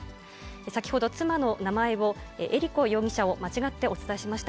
先ほど、妻の名前を、恵理子容疑者を、間違ってお伝えしました。